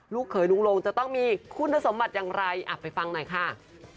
เขยลุงลงจะต้องมีคุณสมบัติอย่างไรไปฟังหน่อยค่ะ